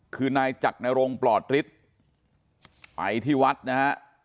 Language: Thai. คือนายจักรนรงปลอดฤทธิ์ไปที่วัดนะฮะ